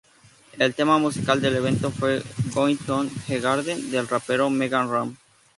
El tema musical del evento fue ""Going To The Garden"" del rapero Mega Ran.